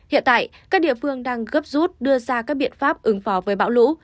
hiện tại các địa phương đang gấp rút đưa ra các biện pháp ứng phó với bão lũ